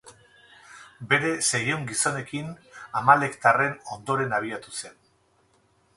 Bere seiehun gizonekin Amalektarren ondoren abiatu zen.